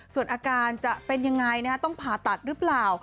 ส่วนอาการจะเป็นยังไงต้องผ่าตัดหรือเปล่า